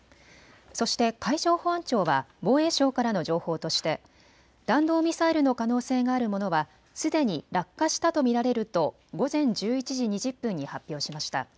そして海上保安庁は防衛省からの情報として弾道ミサイルの可能性があるものはすでに落下したと見られると午前１１時２０分に発表しました。